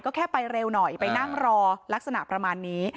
ก็แค่ไปเร็วหน่อยไปนั่งรอลักษณะประมาณนี้